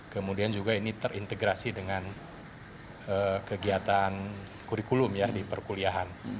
kemudian juga ini terintegrasi dengan kegiatan kurikulum ya di perkuliahan